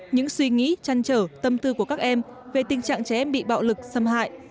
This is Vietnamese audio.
những suy nghĩ trăn trở tâm tư của các em về tình trạng trẻ em bị bạo lực xâm hại